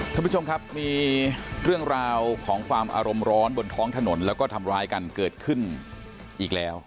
ท่านผู้ชมครับมีเรื่องราวของความอารมณ์ร้อนบนท้องถนนแล้วก็ทำร้ายกันเกิดขึ้นอีกแล้ว